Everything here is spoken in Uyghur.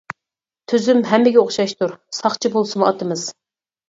تۈزۈم ھەممىگە ئوخشاشتۇر، ساقچى بولسىمۇ ئاتىمىز.